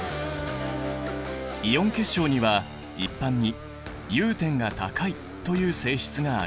イオン結晶には一般に融点が高いという性質がある。